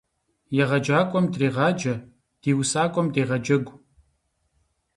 Егъэджакӏуэм дрегъаджэ, ди гъэсакӏуэм дегъэджэгу.